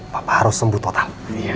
papa harus sembuh total